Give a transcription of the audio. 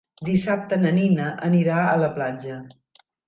Dissabte na Nina anirà a la platja.